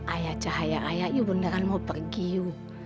ayah cahaya ayah you beneran mau pergi you